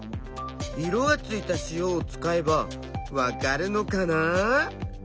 色がついた塩を使えばわかるのかな？